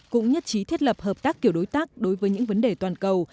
cũng nhất trí thiết lập hợp tác kiểu đối tác đối với những vấn đề toàn cầu